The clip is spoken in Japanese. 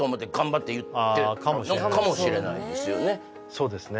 そうですね